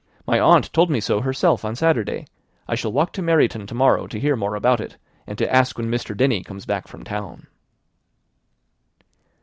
My aunt told me so herself on Saturday. I shall walk to Meryton to morrow to hear more about it, and to ask when Mr. Denny comes back from town."